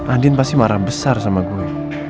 andin pasti marah besar sama gue